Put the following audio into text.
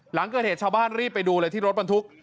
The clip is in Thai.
หลังเกิดเหตุชาวบ้านรีบไปดูเลยที่รถบรรทุก